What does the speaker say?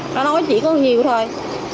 nó nói chỉ có nhiều thôi